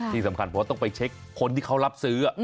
ที่สำคัญเพราะว่าต้องไปเช็คคนที่เขารับซื้อ